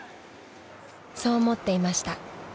［そう思っていました。